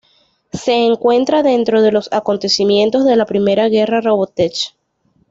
Se encuentra dentro de los acontecimientos de la Primera Guerra Robotech.